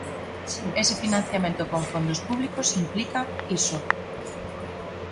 Ese financiamento con fondos públicos implica iso.